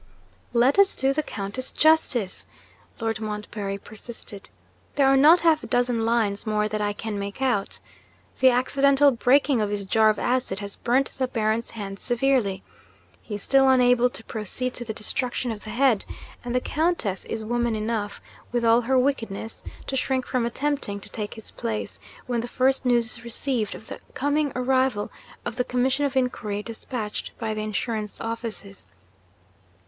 'Let us do the Countess justice,' Lord Montbarry persisted. 'There are not half a dozen lines more that I can make out! The accidental breaking of his jar of acid has burnt the Baron's hands severely. He is still unable to proceed to the destruction of the head and the Countess is woman enough (with all her wickedness) to shrink from attempting to take his place when the first news is received of the coming arrival of the commission of inquiry despatched by the insurance offices.